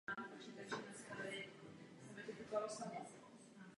Hlavními hrdiny románu je sedlák Karl Oskar Nilsson a jeho žena Kristina.